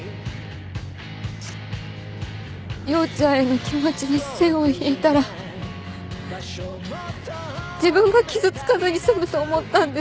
陽ちゃんへの気持ちに線を引いたら自分が傷つかずに済むと思ったんです。